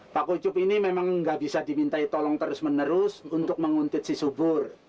pak kucup ini memang nggak bisa dimintai tolong terus menerus untuk menguntit si subur